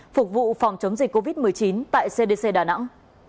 phục vụ phòng chống dịch covid một mươi chín tại cdc đà nẵng